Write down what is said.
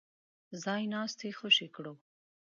ځای ناستي خوشي کړو.